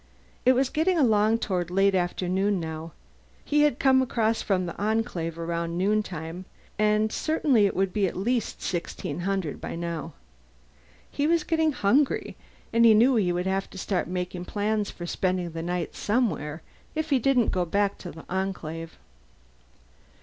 It was getting along toward late afternoon now; he had come across from the Enclave around noontime, and certainly it was at least 1600 by now. He was getting hungry and he knew he would have to start making plans for spending the night somewhere, if he didn't go back to the Enclave.